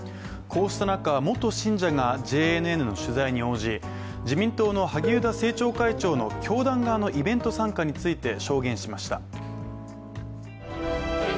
こうした中、元信者がＪＮＮの取材に応じ自民党の萩生田政調会長の教団側のイベント参加について証言しました。